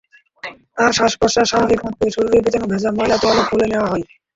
তার শ্বাস-প্রশ্বাস স্বাভাবিক রাখতে শরীরে প্যাঁচানো ভেজা ময়লা তোয়ালে খুলে নেওয়া হয়।